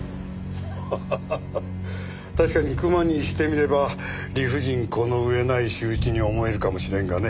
ハハハハ確かに熊にしてみれば理不尽この上ない仕打ちに思えるかもしれんがね。